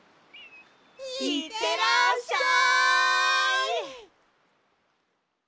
いってらっしゃい！